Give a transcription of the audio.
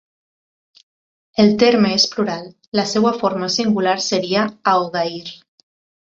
El terme és plural; la seva forma singular seria "aoghair".